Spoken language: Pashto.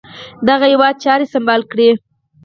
دغه هیواد چاري سمبال کړي.